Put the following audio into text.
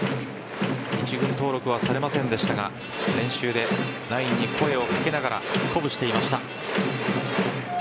一軍登録はされませんでしたが練習でナインに声をかけながら鼓舞していました。